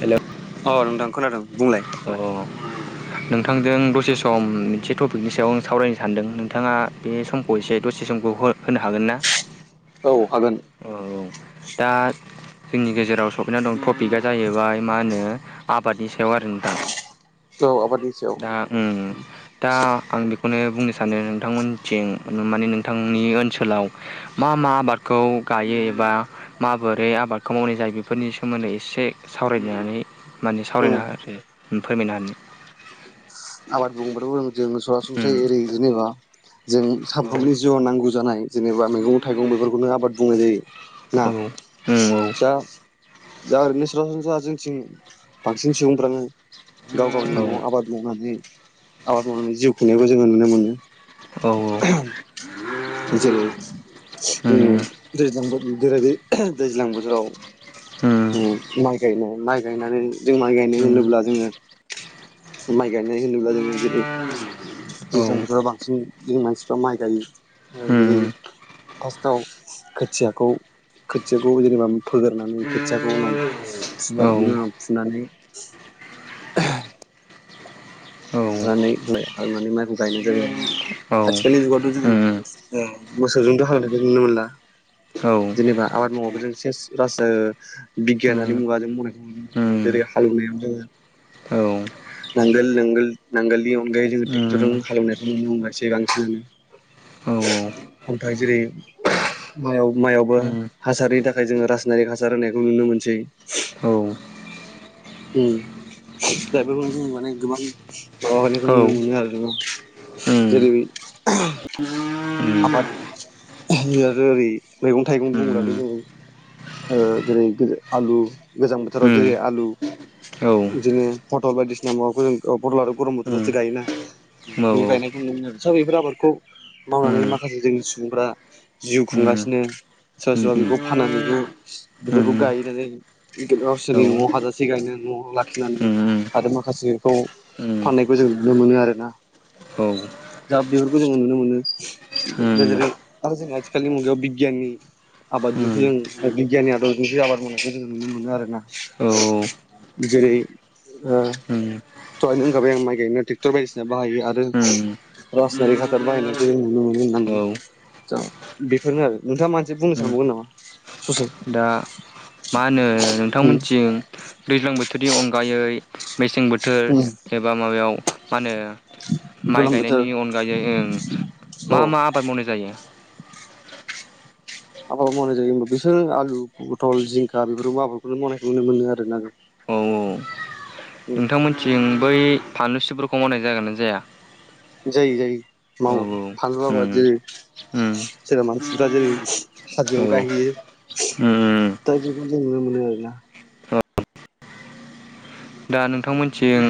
हेल'। अ नोंथां खोनादों बुंलाय? अ नोंथांजों दसे सम मोनसे टपिकनि सायाव आं सावरायनो सानदों नोंथाङा बे समखौ एसे दसे समखौ हो होनो हागोन ना? औ हागोन। औ औ। दा जोंनि गेजेराव सफैना दं टपिकआ जाहैबाय मा होनो आबादनि सायाव आरो नोंथां। औ आबादनि सायाव दा ओ‌ ओ। दा आं बेखौनो बुंनो सानो नोंथांमोनथिं माने नोंथांनि ओनसोलाव मा मा आबादखौ गायो एबा माबोरै आबादखौ मावनाय जायो। बेफोरनि सोमोन्दै एसे सावरायनानै माने सावरायनो हो आरो फोरमायनो हानो आबाद बुंबाथ' जों सरासनस्राय ओरै उम जेनेबा जों औ सानफ्रोमबोनि जिउआव नांगौ जानाय जेनेबा औ उम औ उम औ उम औ उम औ उम औ उम औ उम औ उम औ उम मैगं-थाइगं बेफोरखौनो आबाद बुंनाय जायो। ना [unintelligible] दा ओरैनो सरासनस्रा जोंथिं बांसिन सुबुंफ्रानो गाव गावनि न'आव आबाद मावनानै आबाद मावनानै जिउ खुंनायखौ जोङो नुनो मोनो। औ औ। जेरै ओ दैज्लां। जेरै- दैज्लां बोथोराव माइ गायनाय माइ गायनानै जों माइ गायनाय होनोब्ला जोङो माइ गायनाय होनोब्ला जोङो जेरै दैज्लां बोथोराव बांसिन जों मानसिफ्रा माइ गायो। जेरै फार्स्टआव खोथियाखौ खोथियाखौ जेनेबा फोगोरनानै खोदंथियाखौ उनाव फुबाय बिनि नाव फुनानै [unintelligible] नानै माने माइखौ गायनाय जाबाय आरोना। आथिखालनि जुगावाथ' जोङो ओ मोसौजोंथ' हांलेवनायखौ नुनो मोनला जेनेबा आबाद मावाबाबो जों सेस राज बिगियानारि मुगा जों मावनायखौ जेरै हालौवनायाव जोङो नांगोल-नांगोल नांगोलनि अनगायै जोङो ट्रेक्टरजों हालेवनायखौ नुनो मोननायसै बांसिनानो खन्थाइ जेरै माय-मायावबो हासारनि थाखाय जोङो रासनारिक हासार होनायखौ नुनो मोनसै। औ उम दा बेफोरखौनो जों माने गोबां माबानायखौ नुनो मोनो आरोना। जेरै आबाद ओरै मैगं-थाइगं बुंब्लाथ' जोङो ओ जेरै आलु गोजां बोथोराव जेरै आलु बिदिनो पटल बायदिसिना माबाखौ जों पटल आरो गरम बोथ्रसो गायोना। गायनायखौ नुयो आरो सब बेफोर आबादखौ मावनानै माखासे जोंनि सुबुंफ्रा जिउ उम खुंगासिनो सोरबा उम सो‌रबा बेखौ फाननानैखौ उम बिफोरखौ उम गायनानै औ गावसोरनि न'आव हाजासे गायनो न'आव लाखिनानै उम आरो माखासेखौ उम फाननायखौ जों नुनो मोनो आरोना। औ दा बेफोरखौ जोङो नुनो मोनो। दा उम जेरै आरो जों आथिखालनि मुगायाव बिगियाननि आबादजोंसो उम जों बिगियाननि आदबजोंसो आबाद मावनायखौ जों नुनो मोनो आरोना। औ जेरै- ओ उम दहायनो होनखाबाय आं माइ गायनो ट्रेक्टर बायदिसिना बाहायो आरो उम रासायनारि हासार बाहायनायखौ जों नुनो मोनो औ होननानै उम दा बेफोरनो आरो नोंथाङा माबा मोनसे सानबावदों नामा? ससे दा मा होनो उम नोंथांमोनथिं दैज्लां बोथोरनि अनगायै मेसें बोथोर उम एबा माबायाव मा होनो माइ गोलोम बोथोर गायनायनि अनगायै ओं औ मा मा आबाद मावनाय जायो? आबाद मावनाय जायो होमबा बिसोरो आलु पथल जिंखा बेफोरखौबो आबादखौनो मावनायखौ नुनो मोनो आरोना औ औ नोंथांमोनथिं बै फानलुसिब्रखौ मावनाय जागोना जाया? जायो जायो औ मावो फानलु उम आबाद जेरै जेरै मानसिपफ्रा जेरै औ हाजोआव उम गायहैयो उम दा बेखौ जों नुनो मोनो आरोना औ दा नोंथांमोनथिं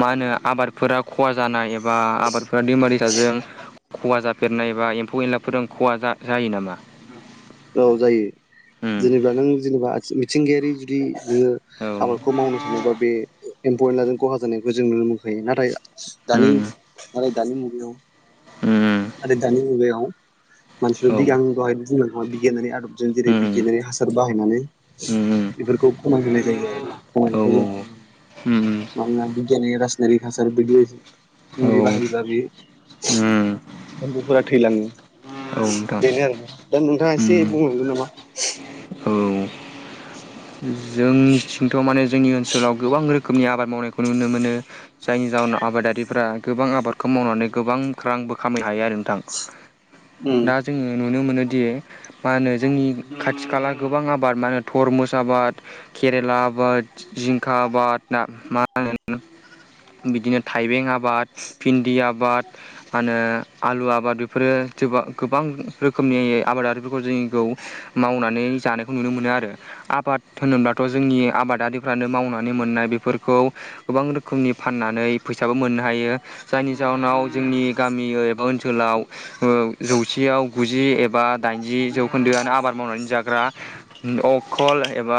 मा होनो आबादफोरा खहा जानाय एबा आबादफोरा दैमा दैसाजों खहा जाफेरनाय एबा एम्फौ एनलाफोरजों खहा जायो नामा? औ जायो उम जेनेबा नों जेनेबा मिथिंगायारि जुदि नोङो औ आबादखौ मावनो सानोबा बे एम्फौ एनलाजों खहा जानायखौ जों नुनो मोनखायो नाथाय दानि उम माने दानि मुगायाव उम औ उम आरो दानि मुगायाव मानसिफ्रा औ बिगान दहायनो बुंबोखांबाय बिगियानारि आदबजों जेरै बिगियानारि हासार बाहायनानै बेफोरखौ खमायहोनाय जायो आरोना खमायनायखौ जों नुनो मोनो। उम मानोना बिगियाननि राजासनिारिक हासार बि औ मुलि बाहायोब्ला बे उम एम्बुफोरा थैलाङो औ नोंथां बेनो दा नोंथाङा एसे उम बुंलांदों नामा? औ जोंनिथिंथ' माने जोंनि ओनसोलाव गोबां रोखोमनि आबाद मावनायखौ नुनो मोनो जायनि जााहोनाव आबादारिफ्रा गोबां आबादखौ मावनानै गोबां रांबो खामायनो हायो आरो नोंथां उम दा जोङो नुनो मोनोदि मा होनो जोंनि खाथि खाला गोबां आबाद मा होनो थरमुस आबाद केरेला बााद जिंकाबाद ना मा होन बिदिनो थाइबें आबाद भिन्दि आबाद मा होनो आलु आबाद बेफोरो गोबां रोखोमनि आबादारिफोरखौ जोंनिखौ मावनानै जानायखौ नुनो मोनो आरो आबाद होनोब्लाथ' जोंनि आबादारि फोरानो मावनानै मोननाय बेफोरखौ गोबां रोखोमनि फाननानै फैसाबो मोननो हायो जायनि जाहोनाव जोंनि गामि एबा ओनसोलाव जौसेयाव गुजि एबा दाइनजि जौखोन्दोआनो आबाद मावनानै जाग्रा अखल एबा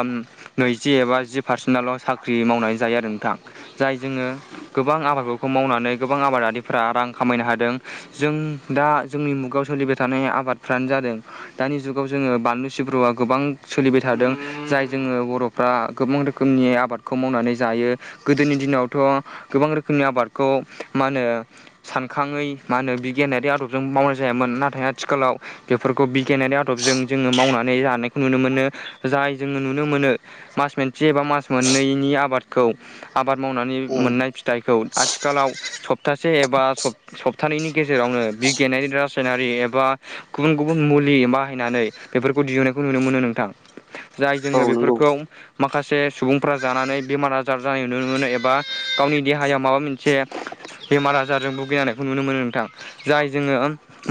नैजि एबा जि पारसेन्ट आल' साख्रि मावनानै जायो आरो नोंथां। जाय जोङो गोबां आबादफोरखौ मावनानै गोबां आबादारिफ्रा रां खामायनो हादों। जों दा जोंनि मुगायाव सोलिबाय थानाय आबादफ्रानो जादों दानि जुगाव जोङो बानलु सिब्रुआ गोबां सोलिबाय थादों जाय जोङो बर' फ्रा गोबां रोखोमनि आबादखौ मावनानै जायो गोदोनि दिनावथ' गोबां रोखोमनि आबादखौ मा होनो सानखाङै मा होनो बिगियानारि आदबजों मावनाय जायामोन नाथाय आथिखालाव बेफोरखौ बिगियानारि आदबजों जोङो मावनानै जानायखौ नुनो मोनो जाय जोङो नुनो मोनो मास मोनसे एबा मास मोननैनि आबादखौ आबाद मावनानै उम मोननाय फि फिथाइखौ आथिखालाव सप्तासे एबा सप सप्तानैनि गेजेरावनो बिगियानारि रासायनारि एबा गुबुन गुबुन मुलि बाहायनानै बेफोरखौ दिहुननायखौ नुनो मोनो नोंथां जाय औ जोङो बे नंगौ माखासे सुबुंफोरा जानानै बेमार आजार जानाय नुनो मोनो एबा गावनि देहायाव माबा मोनसे ए बेमार आजारजों भुगिनायखौ नुनो मोनो नोंथां जाय जोङो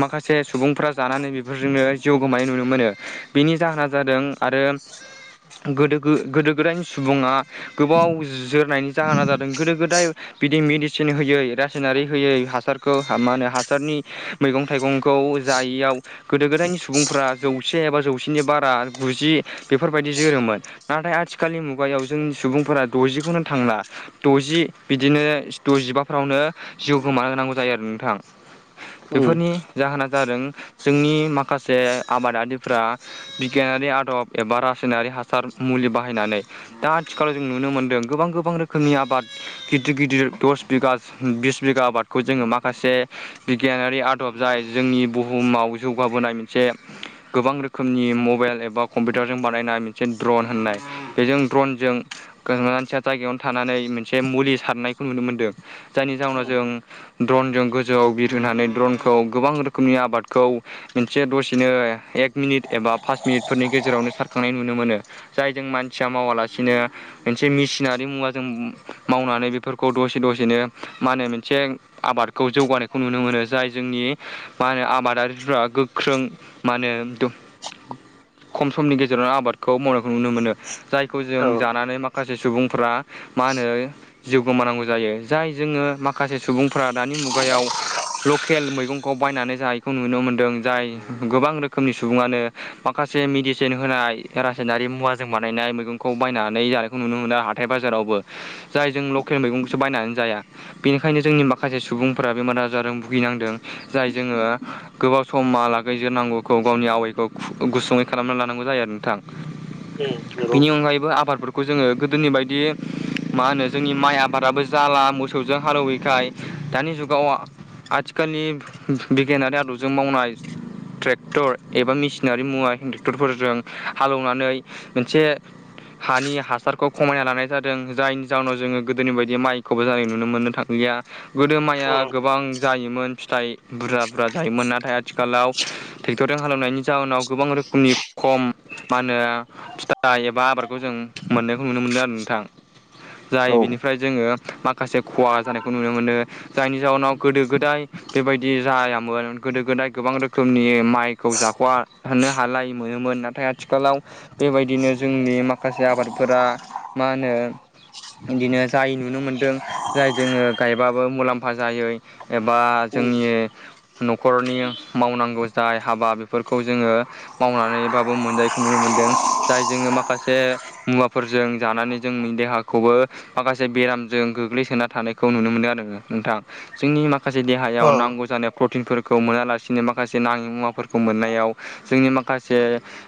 माखासे सुबुंफ्रा जानानै बेफोरजोंनो जिउ गोमानाय नुनो मोनो बेनि जाहोना जादों आरो गोद गोदो गोदायनि सुबुङा गोबाव जोरनायनि जाहोना जादों गोदो गोदाय बिदि मेडिसिन होयै रासायनारि होयै हासारखौ मा होनो हासारनि मैगं थाइगंखौ जायैयाव गोदो गोदायनि सुबुंफोरा्रा जौसे एबा जौसेनि बारा गुजि बेफोरबायदि बिदि जोरोमोन नाथाय आथिखालनि मुगायाव जोंनि सुबुंफोरा दजिखौनो थांला। द'जि बिदिनो द'जिबाफ्रावनो जिउ गोमाना होनांगौ जायो आरो नोंथां उम बेफोरनि जाहोना जादों जोंनि माखासे आबादारिफोरा बिगियानारि आदब एबा रासायनारि हासार मुलि बाहायनानै दा आथिखालाव जों नुनो मोनदों गोबां गोबां रोखोमनि आबाद गिदिर गिदिर दस बिगा बिस बिगा आबाद खौ जोङो माखासे बिगियानारि आदब जाय जोंनि बुहुमाव जौगाबोनाय मोनसे गोबां रोखोमनि मबाइल एबा कम्पिउटारजों बा नायनाय मोनसे द्रन होननाय बेजों द्रजों गोनाङा मानसिया जायगायावनो थानानै मोनसे मुलि सारनायखौ नुनो मोनदों जायनि जााहोनाव उम जों द्रनजों गोजौआव बिरहोनानै ड्रनखौ गोबां रोखोमनि आबादखौ मोनसे दसेनो एक मिनिट एबा पास मिनिटफोरनि गेजेरावनो सारखांनाय नुनो मोनो जायजों मानसिया मावालासिनो मोनसे मेसिनारि मुवाजों मावनानै बेफोरखौ दसे दसेनो मा होनो मोनसे आबादखौ जौगानायखौ नुनो मोनो जाय जोंनि मा होनो आबादारिफ्रा गोख्रों मा होनो दुक खम समनि गेजेर जिरना आबादखौ मावनायखौ नुनो मोनो जायखौ जों औ जानानै माखासे सुबुंफ्रा मा होनो जिउ गोमानांगौ जायो जाय जोङो माखासे सुबुंफोरा दानि मुगायाव लकेल मैगंखौ बायनानै जायैखौ नुनो मोन्दों जाय गोबां रोखोमनि सुबुङानो माखासे मिडिसिन होनाय रासायनारि मुवाजों बानायनाय मैगंखौ बायनानै जानायखौ नुनो मोनो हाथाय बाजारावबो जाय जों लकेल मैगंसो बायनानै जाया बेनिखायनो जोंनि माखासे सुबुंफोरा बेमार आजारजों भुगिनांदों जाय जोङो गोबाव समा लागैजोरनांगौखौ गावनि आवायखौ गुसुङै खालामना लानांगौ जायो आरो नोंथां उम नंगौ बेनि अनगायैबो आबादफोरखौ जोङो गोदोनि बायदि मा होनो जोंनि माइ आबादाबो जों जाला मोसौजों हालौवैखाय दानि जुगाव आथिखालनि बिगियानारि आदबजों मावनाय ट्रेक्टर एबा मेसिनारि मुवा ट्रेक्टरफोरजों हालेवनानै मोनसे हानि हासारखौ खमायना लानाय जादों जायनि जाउनाव जोङो गोदोनि बायदि माइखौबो जानाय नुनो मोनलिया गोदो माइया गोबां जायोमोन फिथाइ बुरजा बुरजा जायोमोन नाथाय आथिखालाव ट्रेक्टरजों हालेवनायनि जाउनाव गोबां रोखोमनि खम मा होनो फिथाइ एबा आबादखौ जों मोननायखौ नुनो मोनदों आरो नोंथां जाय औ बिनिफ्राय जोङो माखासे खहा जानायखौ नुनो मोनो। जायनि जाउनाव गोदो गोदाय बेबायदि जायामोन गोदो गोदाय गोबां रोखोमनि माइखौ जाख'वा होननो हालाय मोनोमोन नाथाय आथिखालाव बेबायदिनो जोंनि माखासे आबादफोरा मा होनो बिदिनो जाय नुनो मोन्दों जाय जोङो गायबाबो मुलाम्फा जाय एबा उम अ उम जोंनि न'खरनि मावनांगौ जाय हाबा बेफोरखौ जोङो मावनानैबाबो मोनजायो नुनो मोनदों जाय जोङो माखासे मुवाफोरजों जानानै जोंनि देहाखौबो माखासे बेरामजों गोग्लैसोना थानायखौ नुनो मोनो आरो नोंथां। जोंनि माखा माखासे औ देहायाव नंगौ नांगौ जानाय प्रटिनफोर खौ मोनालासिनो माखासे नाङि मुवाफोरखौ मोननायाव जोंनि माखासे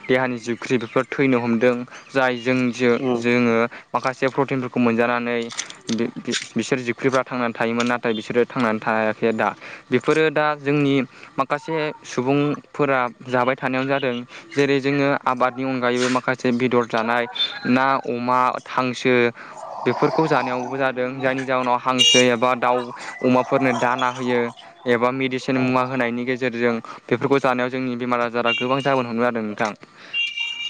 देहानि जिख्रि बेफोर थैनो हमदों जायजों जो नोंथां जोङो माखासे प्रटिनफोरखौ मोनजानानै बे बे बिसोर जिख्रिफ्रा थांनानै थायोमोन नाथाय बिसोरो थांनानै थायाखै दा बेफोरो दा जोंनि माखासे सुबुंफोरा जाबाय थानायावानो जादों जेरै जोङो आबादनि अनगायैबो माखासे बेदर जानाय ना अमा हांसो बेफोरखौ जानायावबो जादों जायनि जााहोनाव हांसो एबा दाउ अमाफोरनो दाना होयो एबा मेडिसिन मुवा होनायनि गेजेरजों बेफोरखौ जानायाव जोंनि बेमार आजारा गोबां जाबोन हमदों आरो नोंथां ‌।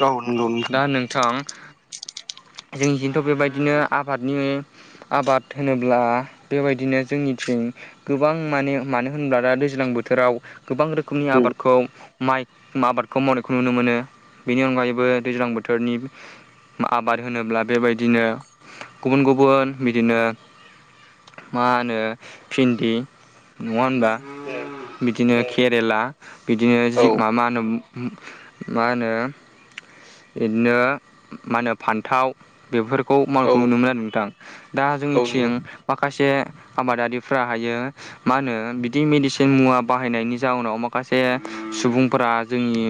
औ नंगौ दा नोंथां जोंनिथिंथ' बेबायदिनो आबादनि आबाद होनोब्ला बेबायदिनो जोंनिथिं गोबां माने मानो होनब्ला दा दैज्लां बोथोराव गोबां रोखोमनि आबादखौ माइ आबादखौ मावनायखौ नुनो मोनो ‌। बेनि अनगायैबो दैज्लां बोथोरनि आबाद होनोब्ला बेबायदिनो गुबुन गुबुन बिदिनो मा होनो भिन्दि नङा होनबा? उम बिदिनो केरेला बिदिनो उम औ जि मा मा होनो मा होनो इदिनो मा होनो फान्थाव बेफोरखौ औ मावनायखौ नुनो मोनो आरो नोंथां। दा औ जोंनिथिं नंगौ माखासे आबादारिफ्रा हायो मा होनो बिदि मेडिसिन मुवा बाहायनायनि जाउनाव माखासे सुबुंफोरा जोंनि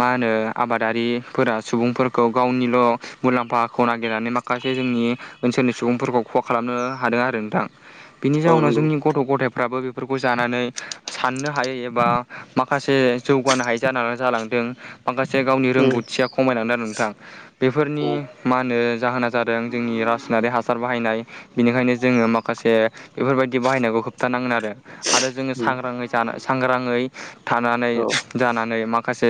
मा होनो आबादारिफोरा सुबुंफोरखौ गावनिल' मुलाम्फाखौ नागिरनानै माखासे जोंनि ओनसोलनि सुबुंफोरखौ खहा खालामनो हादों आरो नोंथां। बिनि औ जाउनाव नंगौ जोंनि गथ' गथायफ्राबो बेफोरखौ जानानै साननो हायै एबा माखासे जौगानो हायै जानानै जालांदों। माखासे गावनि उम रोंगौथिया खमायलांदों आरो नोंथां। बेफोरनि उम मा होनो जाहोना जादों जोंनि रासायनारि हासार बाहायनाय बिनिखायनो जोङो माखासे बेफोरबायदि बाहायनायखौ होबथानांगोन आरो। आरो जोङो उम सांग्राङै जाना सांग्रांयै थानानै औ जानानै माखासे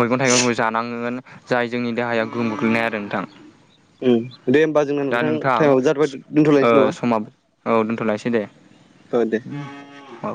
मैगं थाइगंखौ जानांगोन जाय जोंनि देहाया गोहोम गोग्लैनाय आरो नोंथां। दे होमबा जोंना दा नोंथां टाइमाबो जाथ'बाय स ओ दोनथ'लायनोसै नामा? समा ओ दोनथ'लायसै दे। औ दे। औ।